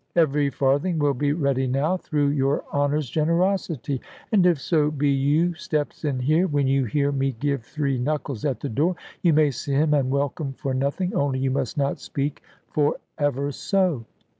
Every farthing will be ready now, through your honour's generosity; and if so be you steps in here, when you hear me give three knuckles at the door, you may see him and welcome for nothing; only you must not speak for ever so."